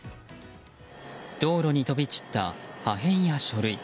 道路に飛び散った破片や書類。